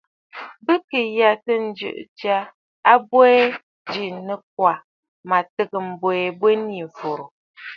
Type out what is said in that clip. Bɨ kɨ̀ yàtə̂ ǹjɨ̀ʼɨ̀ ja ɨ̀bwèn ji nɨkwà, mə̀ tɨgə̀ m̀bwɛɛ abwen yî fùùrə̀.